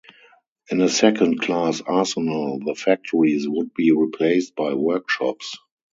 In a second-class arsenal, the factories would be replaced by workshops.